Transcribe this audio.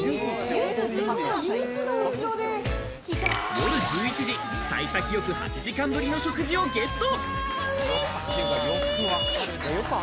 夜１１時、幸先よく８時間ぶりの食事をゲット。